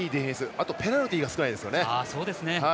あとペナルティが少ないですよね。